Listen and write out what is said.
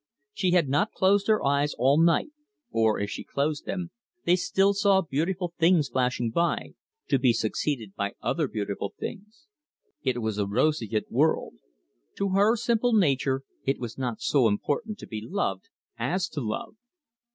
She had not closed her eyes all night, or, if she closed them, they still saw beautiful things flashing by, to be succeeded by other beautiful things. It was a roseate world. To her simple nature it was not so important to be loved as to love.